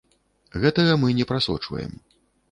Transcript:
Гэтага мы не прасочваем.